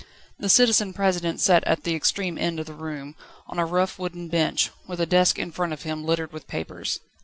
The Citizen President sat at the extreme end of the room, on a rough wooden bench, with a desk in front of him littered with papers.